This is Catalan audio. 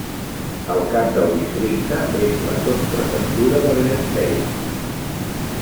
El cap del districte és la sotsprefectura d'Argenteuil.